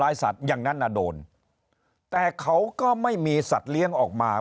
สัตว์อย่างนั้นน่ะโดนแต่เขาก็ไม่มีสัตว์เลี้ยงออกมา